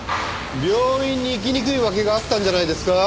病院に行きにくいわけがあったんじゃないですか？